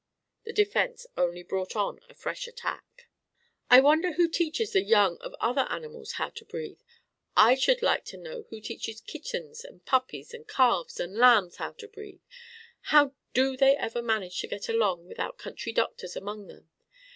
The defence only brought on a fresh attack: "I wonder who teaches the young of other animals how to breathe! I should like to know who teaches kittens and puppies and calves and lambs how to breathe! How do they ever manage to get along without country doctors among them!